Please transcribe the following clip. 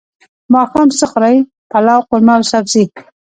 ماښام څه خورئ؟ پلاو، قورمه او سبزی